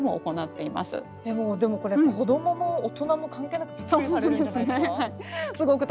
でもこれ子どもも大人も関係なくびっくりされるんじゃないですか？